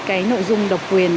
cái nội dung độc quyền